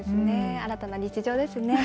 新たな日常ですね。